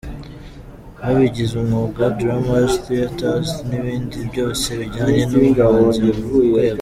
b'abigize umwuga, dramas, theatres n'ibindi byose bijyanye nubuhanzi mu rwego.